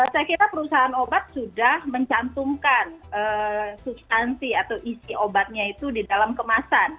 saya kira perusahaan obat sudah mencantumkan substansi atau isi obatnya itu di dalam kemasan